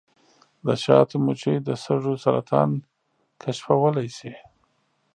د شاتو مچۍ د سږو سرطان کشفولی شي.